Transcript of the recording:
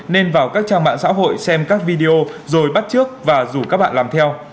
nên vào các trang mạng xã hội xem các video rồi bắt trước và rủ các bạn làm theo